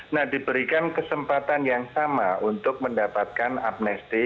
nah diberikan kesempatan yang sama untuk mendapatkan amnesti